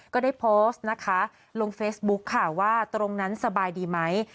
ก็ได้โพสต์นะคะลงเฟซบุ๊คค่ะว่าตรงนั้นสบายดีไหม